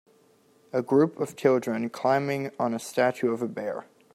A group of children climbing on a statue of a bear.